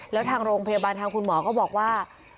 แล้วทางโรงพยาบาลทางคุณหมอก็บอกว่า